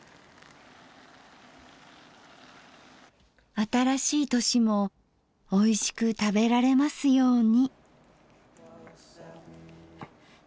新しい年もおいしく食べられますように。